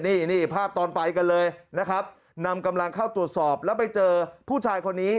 นี่นี่ภาพตอนไปกันเลยนะครับนำกำลังเข้าตรวจสอบแล้วไปเจอผู้ชายคนนี้